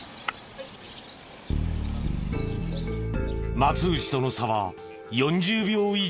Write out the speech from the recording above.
松藤との差は４０秒以上。